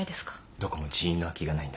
どこも人員の空きがないんだ。